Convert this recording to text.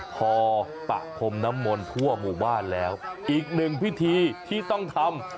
พอปะพรมน้ำมนต์ทั่วหมู่บ้านแล้วอีกหนึ่งพิธีที่ต้องทำ